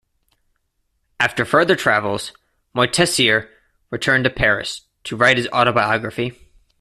After further travels, Moitessier returned to Paris to write his autobiography.